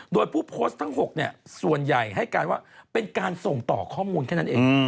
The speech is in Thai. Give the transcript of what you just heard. โดยผู้โพสต์ทั้ง๖ส่วนใหญ่ให้การว่าเป็นการส่งต่อข้อมูลแค่นั้นเอง